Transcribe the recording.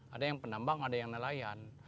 ada yang penambang ada yang nelayan